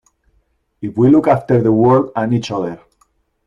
If we look after the world and each other.